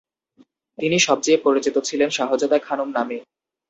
তিনি সবচেয়ে পরিচিত ছিলেন শাহজাদা খানম নামে।